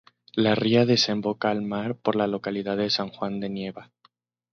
La ría desemboca al mar por la localidad de San Juan de Nieva.